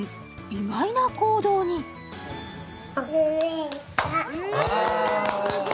意外な行動にわあ！